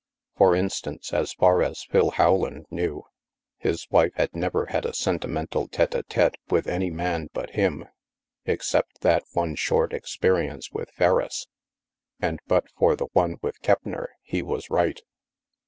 For instance, as far as Phil Rowland knew, his wife had never had a sentimental tete d^tete with any man but him, except that one short experience with Ferriss. And, but for the one with Keppner, he was right.